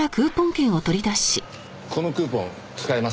このクーポン使えます？